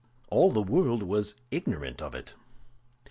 All the world was ignorant of it.